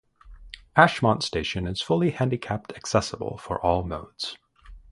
Ashmont station is fully handicapped accessible for all modes.